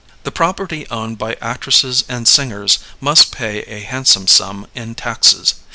The property owned by actresses and singers must pay a handsome sum in taxes.